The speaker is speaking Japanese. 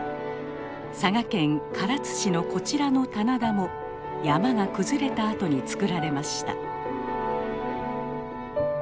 佐賀県唐津市のこちらの棚田も山が崩れた跡に作られました。